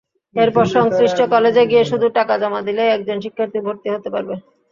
এরপর সংশ্লিষ্ট কলেজে গিয়ে শুধু টাকা জমা দিলেই একজন শিক্ষার্থী ভর্তি হতে পারবে।